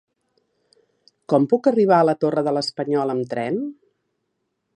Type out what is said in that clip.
Com puc arribar a la Torre de l'Espanyol amb tren?